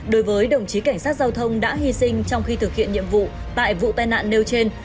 đối với đồng chí cảnh sát giao thông đã hy sinh trong khi thực hiện nhiệm vụ tại vụ tai nạn nêu trên